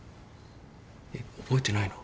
えっ覚えてないの？